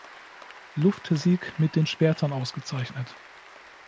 Luftsieg mit den Schwertern ausgezeichnet.